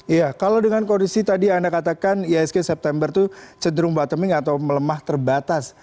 iya kalau dengan kondisi tadi anda katakan iasg september itu cenderung bottoming atau melemah terbatas